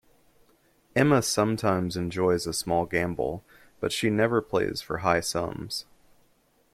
Emma sometimes enjoys a small gamble, but she never plays for high sums